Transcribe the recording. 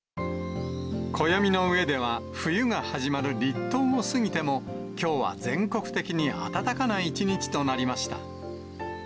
暦のうえでは冬が始まる立冬を過ぎても、きょうは全国的に暖かな一日となりました。